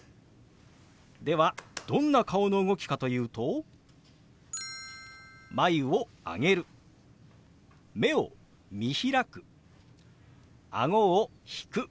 ではどんな顔の動きかというと眉を上げる目を見開くあごを引く。